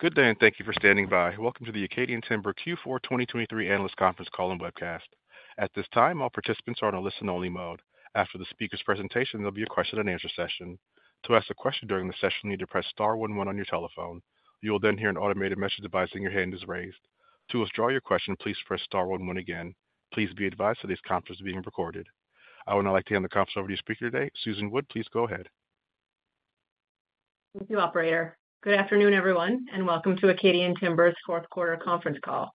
Good day, and thank you for standing by. Welcome to the Acadian Timber Q4 2023 Analyst Conference Call and Webcast. At this time, all participants are on a listen-only mode. After the speaker's presentation, there'll be a question-and-answer session. To ask a question during the session, you need to press star one one on your telephone. You will then hear an automated message advising your hand is raised. To withdraw your question, please press star one one again. Please be advised that this conference is being recorded. I would now like to hand the conference over to your speaker today, Susan Wood. Please go ahead. Thank you, operator. Good afternoon, everyone, and welcome to Acadian Timber's Q4 conference call.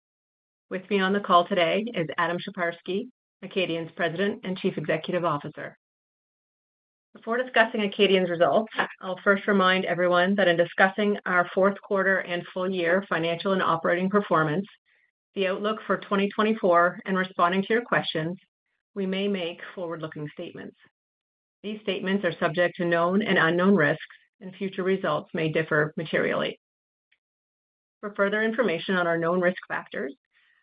With me on the call today is Adam Sheparski, Acadian's President and Chief Executive Officer. Before discussing Acadian's results, I'll first remind everyone that in discussing our Q4 and full year financial and operating performance, the outlook for 2024 and responding to your questions, we may make forward-looking statements. These statements are subject to known and unknown risks, and future results may differ materially. For further information on our known risk factors,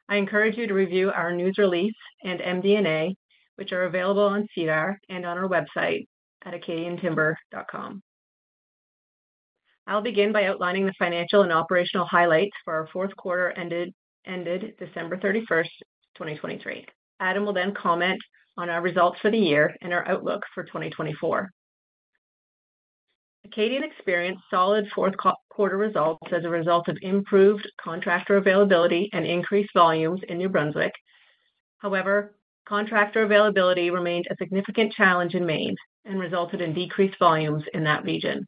I encourage you to review our news release and MD&A, which are available on SEDAR and on our website at acadiantimber.com. I'll begin by outlining the financial and operational highlights for our Q4 ended 31 December 2023. Adam will then comment on our results for the year and our outlook for 2024. Acadian experienced solid Q4 results as a result of improved contractor availability and increased volumes in New Brunswick. However, contractor availability remained a significant challenge in Maine and resulted in decreased volumes in that region.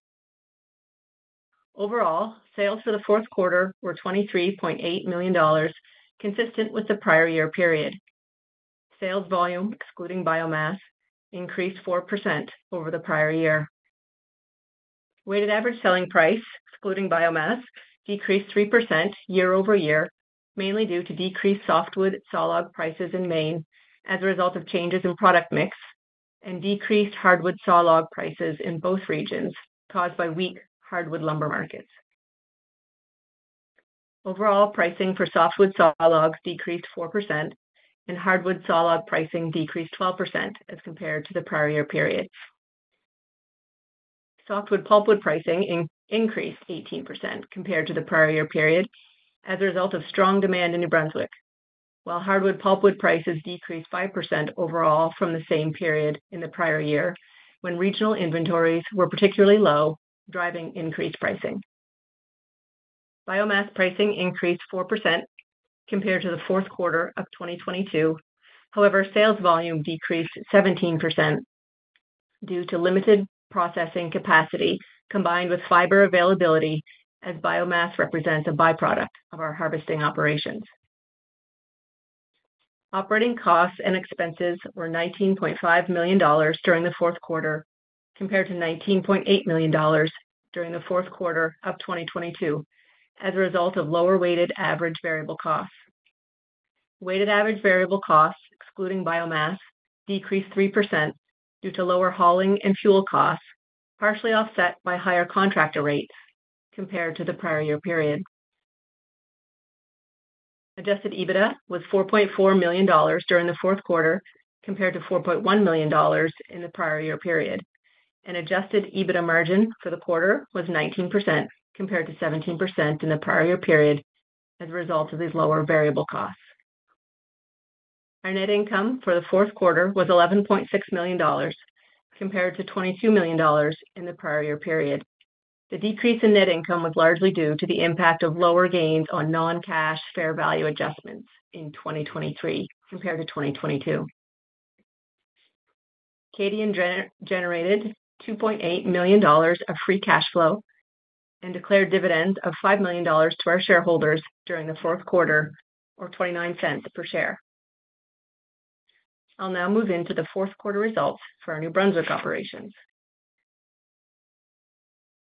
Overall, sales for the Q4 were $23.8 million Canadian dollars, consistent with the prior year period. Sales volume, excluding biomass, increased 4% over the prior year. Weighted average selling price, excluding biomass, decreased 3% year-over-year, mainly due to decreased softwood sawlog prices in Maine as a result of changes in product mix and decreased hardwood sawlog prices in both regions, caused by weak hardwood lumber markets. Overall, pricing for softwood sawlogs decreased 4% and hardwood sawlog pricing decreased 12% as compared to the prior year period. Softwood pulpwood pricing increased 18% compared to the prior year period as a result of strong demand in New Brunswick, while hardwood pulpwood prices decreased 5% overall from the same period in the prior year, when regional inventories were particularly low, driving increased pricing. Biomass pricing increased 4% compared to the Q4 of 2022. However, sales volume decreased 17% due to limited processing capacity, combined with fiber availability, as biomass represents a byproduct of our harvesting operations. Operating costs and expenses were $19.5 million Canadian dollars during the Q4, compared to $9.8 million Canadian dollars during the Q4 of 2022, as a result of lower weighted average variable costs. Weighted average variable costs, excluding biomass, decreased 3% due to lower hauling and fuel costs, partially offset by higher contractor rates compared to the prior year period. Adjusted EBITDA was $4.4 million Canadian dollars during the Q4, compared to $4.1 million Canadian dollars in the prior year period, and adjusted EBITDA margin for the quarter was 19%, compared to 17% in the prior period as a result of these lower variable costs. Our net income for the Q4 was $11.6 million Canadian dollars, compared to $22 million Canadian dollars in the prior year period. The decrease in net income was largely due to the impact of lower gains on non-cash fair value adjustments in 2023 compared to 2022. Acadian generated $2.8 million Canadian dollars of free cash flow and declared dividends of $5 million Canadian dollars to our shareholders during the Q4, or $0.29 per share. I'll now move into the Q4 results for our New Brunswick operations.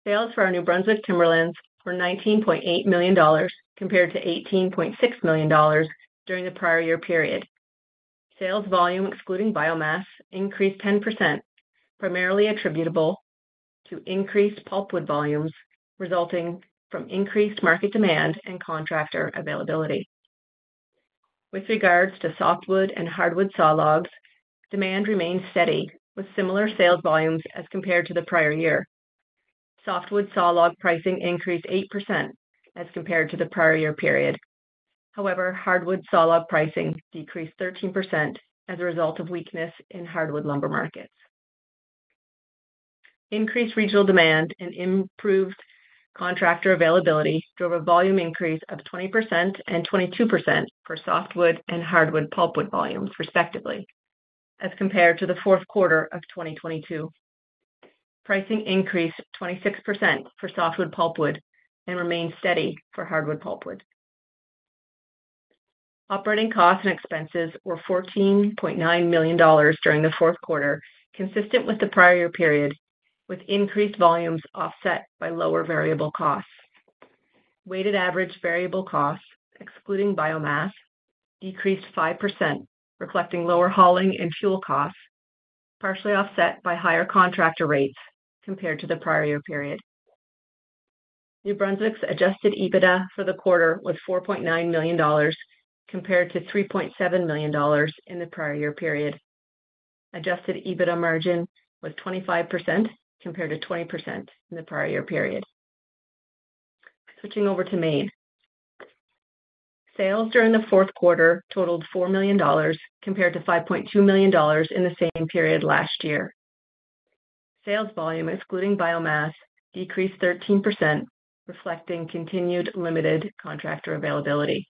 Sales for our New Brunswick timberlands were $19.8 million Canadian dollars, compared to $18.6 million Canadian dollars during the prior year period. Sales volume, excluding biomass, increased 10%, primarily attributable to increased pulpwood volumes, resulting from increased market demand and contractor availability. With regards to softwood and hardwood sawlogs, demand remained steady with similar sales volumes as compared to the prior year. Softwood sawlog pricing increased 8% as compared to the prior year period. However, hardwood sawlog pricing decreased 13% as a result of weakness in hardwood lumber markets. Increased regional demand and improved contractor availability drove a volume increase of 20% and 22% for softwood and hardwood pulpwood volumes, respectively, as compared to the Q4 of 2022. Pricing increased 26% for softwood pulpwood and remained steady for hardwood pulpwood. Operating costs and expenses were $14.9 million Canadian dollars during the Q4, consistent with the prior year period, with increased volumes offset by lower variable costs. Weighted average variable costs, excluding biomass, decreased 5%, reflecting lower hauling and fuel costs, partially offset by higher contractor rates compared to the prior year period. New Brunswick's Adjusted EBITDA for the quarter was $4.9 million Canadian dollars, compared to $3.7 million in the prior year period. Adjusted EBITDA margin was 25%, compared to 20% in the prior year period. Switching over to Maine. Sales during the Q4 totaled $4 million Canadian dollars, compared to $5.2 million Canadian dollars in the same period last year. Sales volume, excluding biomass, decreased 13%, reflecting continued limited contractor availability.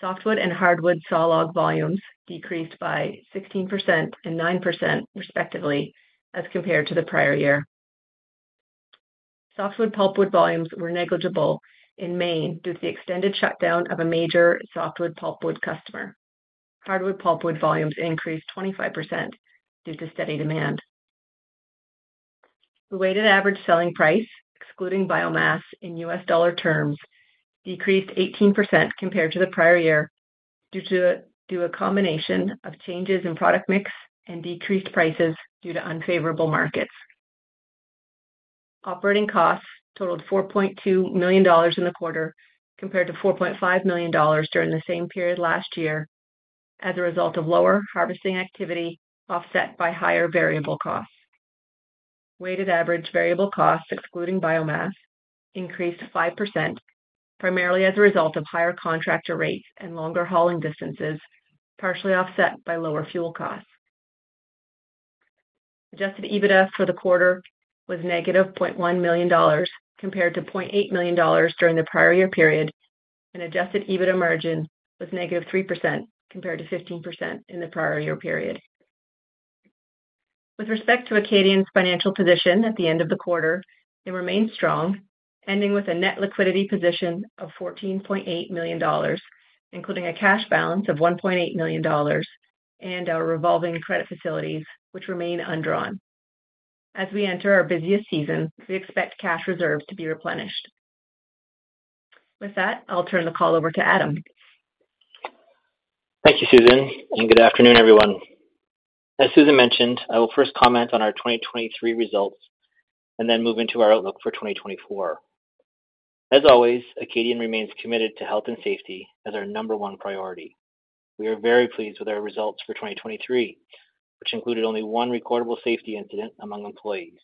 Softwood and hardwood sawlog volumes decreased by 16% and 9% respectively, as compared to the prior year. Softwood pulpwood volumes were negligible in Maine due to the extended shutdown of a major softwood pulpwood customer. Hardwood pulpwood volumes increased 25% due to steady demand. The weighted average selling price, excluding biomass in US dollar terms, decreased 18% compared to the prior year, due to a combination of changes in product mix and decreased prices due to unfavorable markets. Operating costs totaled $4.2 million Canadian dollars in the quarter, compared to $4.5 million Canadian dollars during the same period last year, as a result of lower harvesting activity, offset by higher variable costs. Weighted average variable costs, excluding biomass, increased 5%, primarily as a result of higher contractor rates and longer hauling distances, partially offset by lower fuel costs. Adjusted EBITDA for the quarter was -$0.1 million Canadian dollars, compared to $0.8 million Canadian dollars during the prior year period, and adjusted EBITDA margin was -3%, compared to 15% in the prior year period. With respect to Acadian's financial position at the end of the quarter, it remained strong, ending with a net liquidity position of $14.8 million Canadian dollars, including a cash balance of $1.8 million Canadian dollars and our revolving credit facilities, which remain undrawn. As we enter our busiest season, we expect cash reserves to be replenished. With that, I'll turn the call over to Adam. Thank you, Susan, and good afternoon, everyone. As Susan mentioned, I will first comment on our 2023 results and then move into our outlook for 2024. As always, Acadian remains committed to health and safety as our number one priority. We are very pleased with our results for 2023, which included only one recordable safety incident among employees,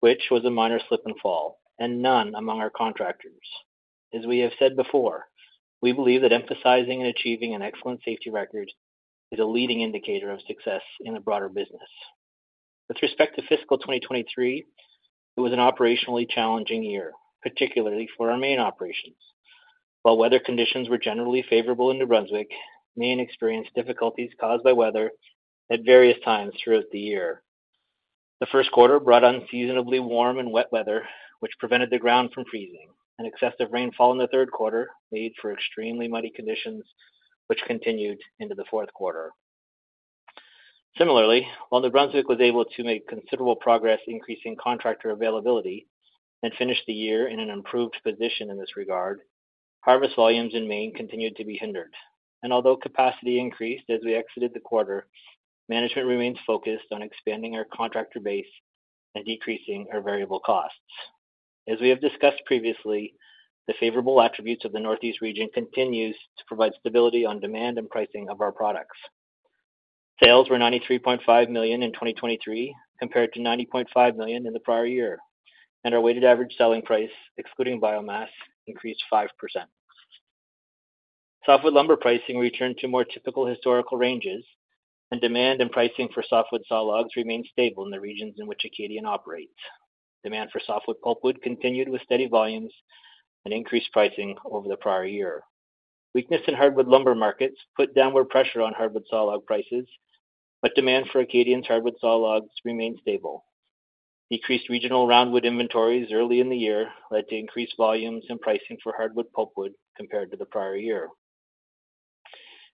which was a minor slip and fall, and none among our contractors. As we have said before, we believe that emphasizing and achieving an excellent safety record is a leading indicator of success in the broader business. With respect to fiscal 2023, it was an operationally challenging year, particularly for our Maine operations. While weather conditions were generally favorable in New Brunswick, Maine experienced difficulties caused by weather at various times throughout the year. The first quarter brought unseasonably warm and wet weather, which prevented the ground from freezing, and excessive rainfall in the third quarter made for extremely muddy conditions, which continued into the Q4. Similarly, while New Brunswick was able to make considerable progress in increasing contractor availability and finished the year in an improved position in this regard, harvest volumes in Maine continued to be hindered. Although capacity increased as we exited the quarter, management remains focused on expanding our contractor base and decreasing our variable costs. As we have discussed previously, the favorable attributes of the Northeast region continues to provide stability on demand and pricing of our products. Sales were $93.5 million Canadian dollars in 2023, compared to $90.5 million Canadian dollars in the prior year, and our weighted average selling price, excluding biomass, increased 5%. Softwood lumber pricing returned to more typical historical ranges, and demand and pricing for softwood sawlogs remained stable in the regions in which Acadian operates. Demand for softwood pulpwood continued with steady volumes and increased pricing over the prior year. Weakness in hardwood lumber markets put downward pressure on hardwood sawlog prices, but demand for Acadian's hardwood sawlogs remained stable. Decreased regional roundwood inventories early in the year led to increased volumes and pricing for hardwood pulpwood compared to the prior year.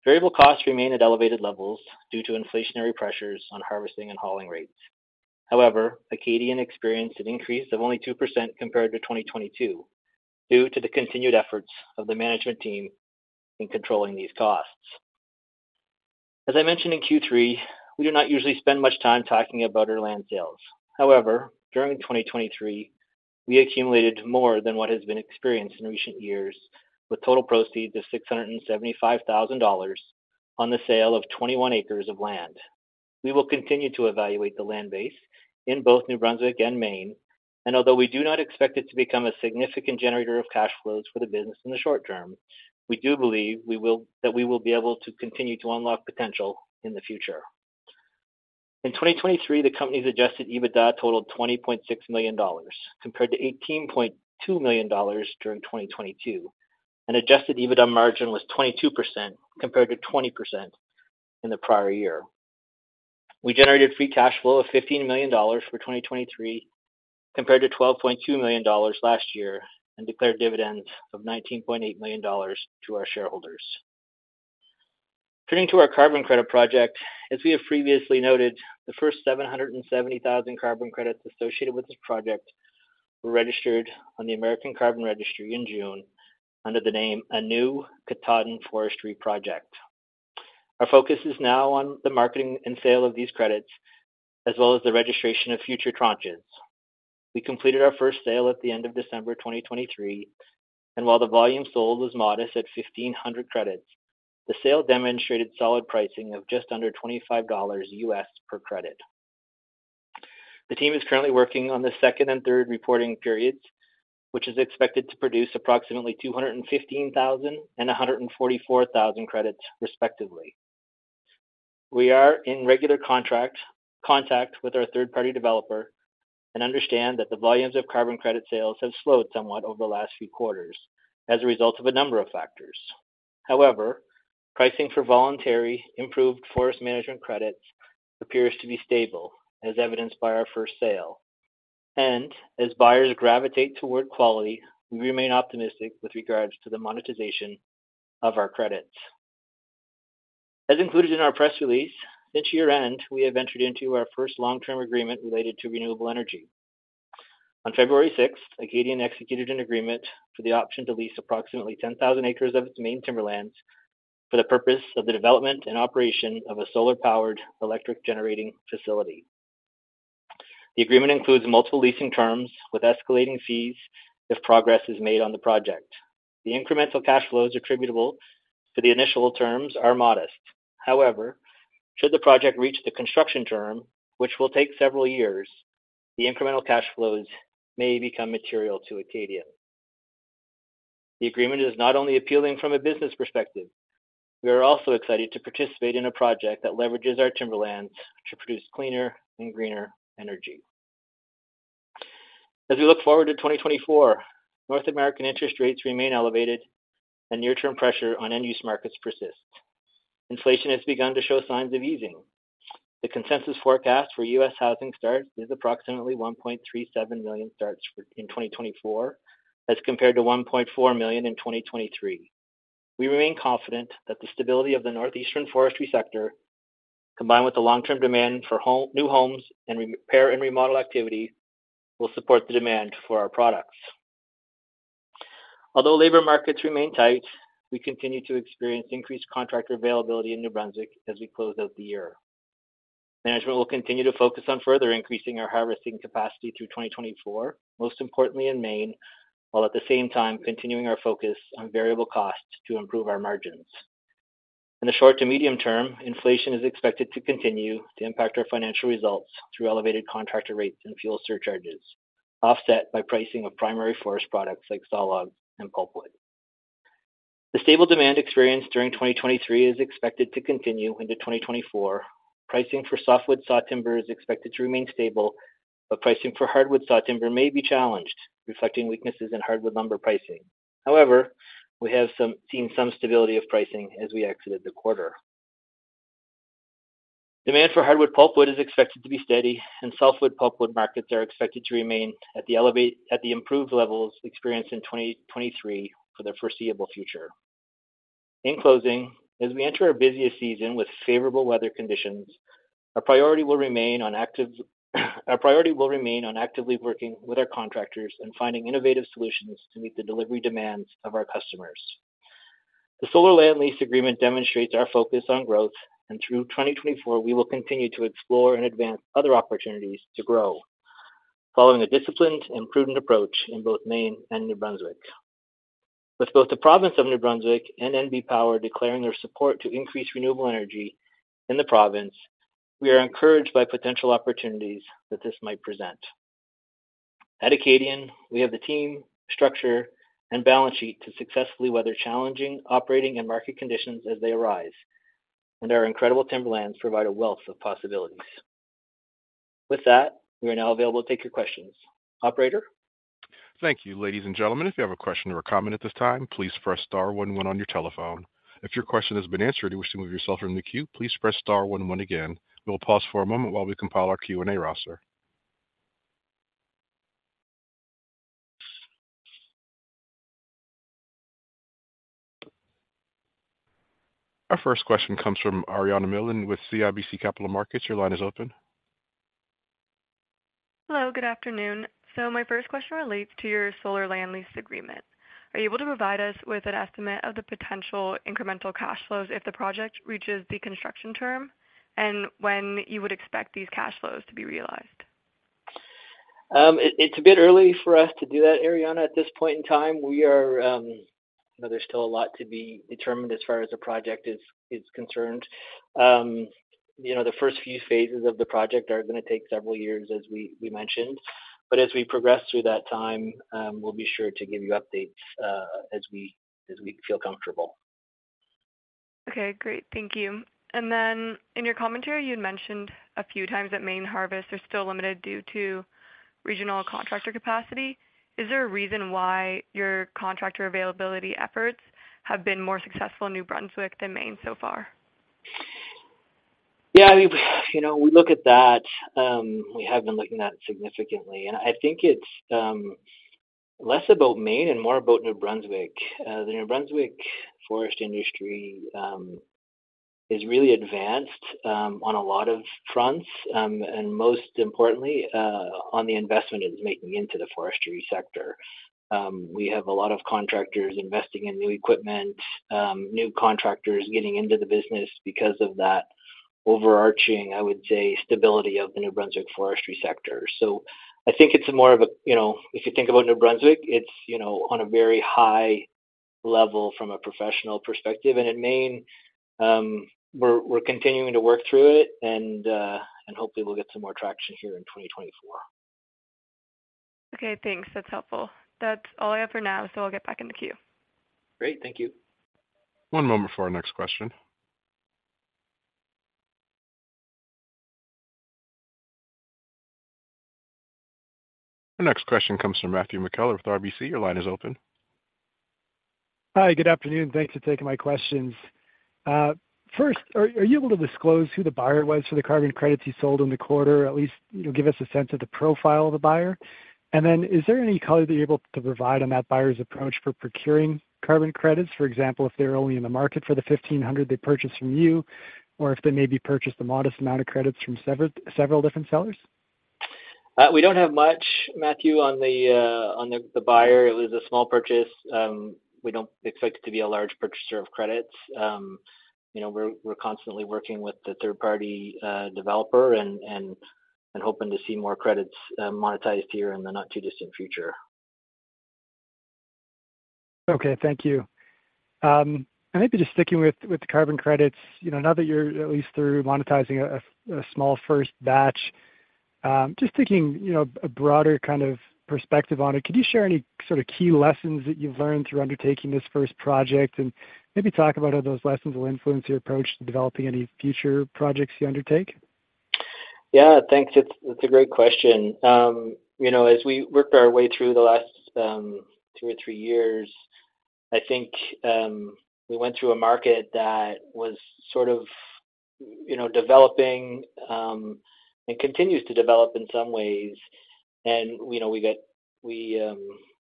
Variable costs remained at elevated levels due to inflationary pressures on harvesting and hauling rates. However, Acadian experienced an increase of only 2% compared to 2022, due to the continued efforts of the management team in controlling these costs. As I mentioned in Q3, we do not usually spend much time talking about our land sales. However, during 2023, we accumulated more than what has been experienced in recent years, with total proceeds of $675 thousand on the sale of 21 acres of land. We will continue to evaluate the land base in both New Brunswick and Maine, and although we do not expect it to become a significant generator of cash flows for the business in the short term, we do believe that we will be able to continue to unlock potential in the future. In 2023, the company's Adjusted EBITDA totaled $20.6 million Canadian dollars, compared to $18.2 million Canadian dollars during 2022, and Adjusted EBITDA margin was 22%, compared to 20% in the prior year. We generated free cash flow of $15 million Canadian dollars for 2023, compared to $12.2 million Canadian dollars last year, and declared dividends of $19.8 million Canadian dollars to our shareholders. Turning to our carbon credit project, as we have previously noted, the first 770,000 carbon credits associated with this project were registered on the American Carbon Registry in June under the name Anew Katahdin Forestry Project. Our focus is now on the marketing and sale of these credits, as well as the registration of future tranches. We completed our first sale at the end of December 2023, and while the volume sold was modest at 1,500 credits, the sale demonstrated solid pricing of just under $25 US per credit. The team is currently working on the second and third reporting periods, which is expected to produce approximately 215,000 and 144,000 credits, respectively. We are in regular contact with our third-party developer and understand that the volumes of carbon credit sales have slowed somewhat over the last few quarters as a result of a number of factors. However, pricing for Voluntary Improved Forest Management Credits appears to be stable, as evidenced by our first sale. As buyers gravitate toward quality, we remain optimistic with regards to the monetization of our credits. As included in our press release, since year-end, we have entered into our first long-term agreement related to renewable energy. On February sixth, Acadian executed an agreement for the option to lease approximately 10,000 acres of its main timberlands for the purpose of the development and operation of a solar-powered electric generating facility. The agreement includes multiple leasing terms with escalating fees if progress is made on the project. The incremental cash flows attributable to the initial terms are modest. However, should the project reach the construction term, which will take several years, the incremental cash flows may become material to Acadian. The agreement is not only appealing from a business perspective. We are also excited to participate in a project that leverages our timberlands to produce cleaner and greener energy. As we look forward to 2024, North American interest rates remain elevated and near-term pressure on end-use markets persist. Inflation has begun to show signs of easing. The consensus forecast for US housing starts is approximately 1.37 million starts for 2024, as compared to 1.4 million in 2023. We remain confident that the stability of the Northeastern forestry sector, combined with the long-term demand for new homes and repair and remodel activity, will support the demand for our products. Although labor markets remain tight, we continue to experience increased contractor availability in New Brunswick as we close out the year. Management will continue to focus on further increasing our harvesting capacity through 2024, most importantly in Maine, while at the same time continuing our focus on variable costs to improve our margins. In the short to medium term, inflation is expected to continue to impact our financial results through elevated contractor rates and fuel surcharges, offset by pricing of primary forest products like sawlog and pulpwood. The stable demand experienced during 2023 is expected to continue into 2024. Pricing for softwood sawlogs is expected to remain stable, but pricing for hardwood sawlogs may be challenged, reflecting weaknesses in hardwood lumber pricing. However, we have seen some stability of pricing as we exited the quarter. Demand for hardwood pulpwood is expected to be steady, and softwood pulpwood markets are expected to remain at the improved levels experienced in 2023 for the foreseeable future. In closing, as we enter our busiest season with favorable weather conditions, our priority will remain on actively working with our contractors and finding innovative solutions to meet the delivery demands of our customers. The solar land lease agreement demonstrates our focus on growth, and through 2024, we will continue to explore and advance other opportunities to grow, following a disciplined and prudent approach in both Maine and New Brunswick. With both the province of New Brunswick and NB Power declaring their support to increase renewable energy in the province, we are encouraged by potential opportunities that this might present. At Acadian, we have the team, structure, and balance sheet to successfully weather challenging operating and market conditions as they arise, and our incredible timberlands provide a wealth of possibilities. With that, we are now available to take your questions. Operator? Thank you. Ladies and gentlemen, if you have a question or a comment at this time, please press star one one on your telephone. If your question has been answered and you wish to move yourself from the queue, please press star one one again. We'll pause for a moment while we compile our Q&A roster. Our first question comes from Ariana Milin with CIBC Capital Markets. Your line is open. Hello, good afternoon. My first question relates to your solar land lease agreement. Are you able to provide us with an estimate of the potential incremental cash flows if the project reaches the construction term, and when you would expect these cash flows to be realized? It's a bit early for us to do that, Ariana. At this point in time, we are... There's still a lot to be determined as far as the project is concerned. You know, the first few phases of the project are gonna take several years, as we mentioned, but as we progress through that time, we'll be sure to give you updates, as we feel comfortable. Okay, great. Thank you. And then in your commentary, you'd mentioned a few times that Maine harvests are still limited due to regional contractor capacity. Is there a reason why your contractor availability efforts have been more successful in New Brunswick than Maine so far? Yeah, I mean, you know, we look at that, we have been looking at that significantly, and I think it's less about Maine and more about New Brunswick. The New Brunswick forest industry is really advanced on a lot of fronts, and most importantly, on the investment it is making into the forestry sector. We have a lot of contractors investing in new equipment, new contractors getting into the business because of that overarching, I would say, stability of the New Brunswick forestry sector. So I think it's more of a, you know, if you think about New Brunswick, it's, you know, on a very high level from a professional perspective. And in Maine, we're continuing to work through it, and hopefully we'll get some more traction here in 2024. Okay, thanks. That's helpful. That's all I have for now, so I'll get back in the queue. Great. Thank you. One moment before our next question. Our next question comes from Matthew McKellar with RBC. Your line is open. Hi, good afternoon. Thanks for taking my questions. First, are you able to disclose who the buyer was for the carbon credits you sold in the quarter? At least, you know, give us a sense of the profile of the buyer. And then is there any color you're able to provide on that buyer's approach for procuring carbon credits? For example, if they're only in the market for the 1,500 they purchased from you, or if they maybe purchased a modest amount of credits from several different sellers. We don't have much, Matthew, on the buyer. It was a small purchase. We don't expect it to be a large purchaser of credits. You know, we're constantly working with the third-party developer and hoping to see more credits monetized here in the not-too-distant future. Okay, thank you. And maybe just sticking with the carbon credits, you know, now that you're at least through monetizing a small first batch, just taking, you know, a broader kind of perspective on it, could you share any sort of key lessons that you've learned through undertaking this first project? And maybe talk about how those lessons will influence your approach to developing any future projects you undertake. Yeah, thanks. It's a great question. You know, as we worked our way through the last two or three years, I think, we went through a market that was sort of, you know, developing, and continues to develop in some ways. You know, we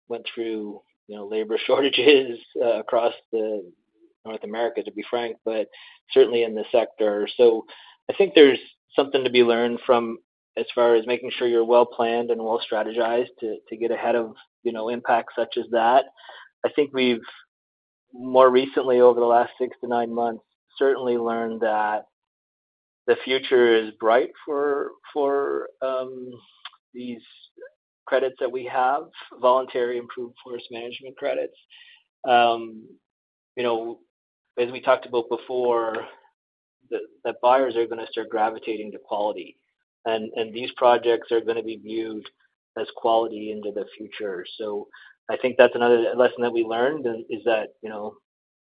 went through, you know, labor shortages across North America, to be frank, but certainly in the sector. I think there's something to be learned from as far as making sure you're well-planned and well-strategized to get ahead of, you know, impacts such as that. I think we've more recently, over the last 6-9 months, certainly learned that the future is bright for these credits that we have, Voluntary Improved Forest Management Credits. You know, as we talked about before, that buyers are gonna start gravitating to quality, and these projects are gonna be viewed as quality into the future. So I think that's another lesson that we learned, is that, you know,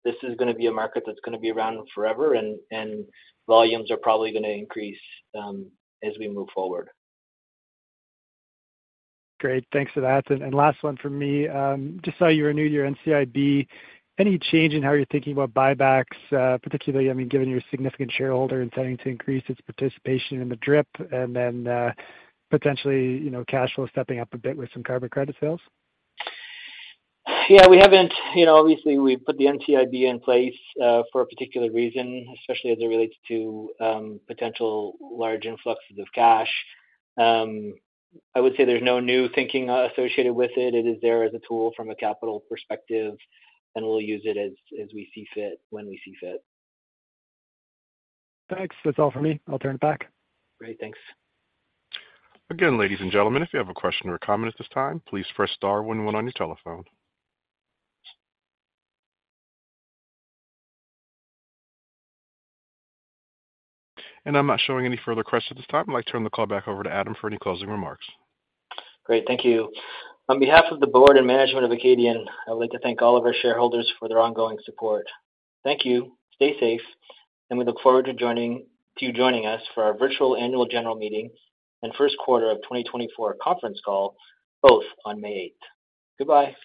this is gonna be a market that's gonna be around forever, and volumes are probably gonna increase as we move forward. Great, thanks for that. And last one from me. Just saw you renewed your NCIB. Any change in how you're thinking about buybacks, particularly, I mean, given you're a significant shareholder intending to increase its participation in the DRIP and then, potentially, you know, cash flow stepping up a bit with some carbon credit sales? Yeah, we haven't... You know, obviously, we put the NCIB in place for a particular reason, especially as it relates to potential large influxes of cash. I would say there's no new thinking associated with it. It is there as a tool from a capital perspective, and we'll use it as we see fit, when we see fit. Thanks. That's all for me. I'll turn it back. Great. Thanks. Again, ladies and gentlemen, if you have a question or comment at this time, please press star one one on your telephone. I'm not showing any further questions at this time. I'd like to turn the call back over to Adam for any closing remarks. Great, thank you. On behalf of the board and management of Acadian, I'd like to thank all of our shareholders for their ongoing support. Thank you. Stay safe, and we look forward to you joining us for our virtual annual general meeting and first quarter of 2024 conference call, both on May eighth. Goodbye.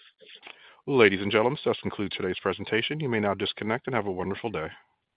Ladies and gentlemen, this concludes today's presentation. You may now disconnect and have a wonderful day.